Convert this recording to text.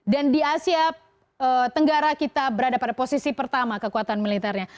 dan di asia tenggara kita berada pada posisi pertama kekuatan militernya